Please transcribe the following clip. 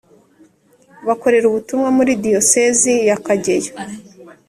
bakorera ubutumwa muri Diyosezi ya kageyo